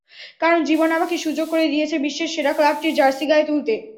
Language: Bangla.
কারণ জীবন আমাকে সুযোগ করে দিয়েছে বিশ্বের সেরা ক্লাবটির জার্সি গায়ে তুলতে।